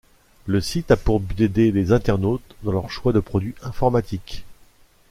Le site a pour but d’aider les internautes dans leurs choix de produits informatiques.